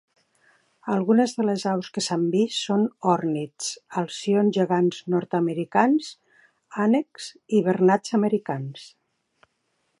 Algunes de les aus que s'han vist són ornits, alcions gegans nord-americans, ànecs i bernats americans.